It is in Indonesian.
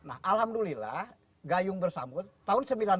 nah alhamdulillah gayung bersambut tahun seribu sembilan ratus sembilan puluh